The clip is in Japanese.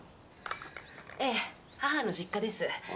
ええ母の実家です。